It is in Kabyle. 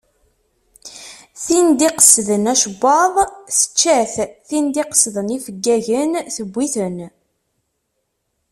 Tin d-iqesden acewwaḍ, tečča-t. Tin d-iqesden ifeggagen, tewwi-ten.